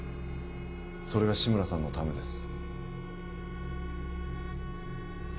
それが志村さんのためです